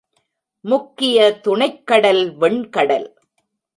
முக்கிய துணைக் கடல் வெண் கடல்.